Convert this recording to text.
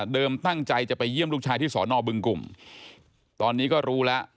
ตั้งใจจะไปเยี่ยมลูกชายที่สอนอบึงกลุ่มตอนนี้ก็รู้แล้ว